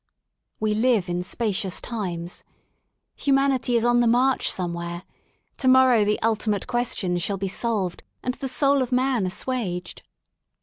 We live in spacious times Humanity is on the march somewhere, to morrow the ultimate questions shall be solved and the soul of man assuaged.